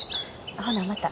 ほなまた。